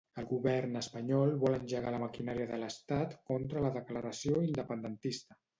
El govern espanyol vol engegar la maquinària de l'estat contra la declaració independentista.